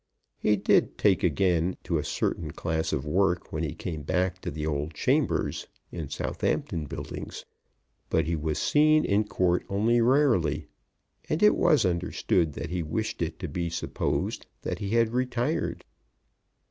He did take again to a certain class of work when he came back to the old chambers in Southampton Buildings; but he was seen in Court only rarely, and it was understood that he wished it to be supposed that he had retired.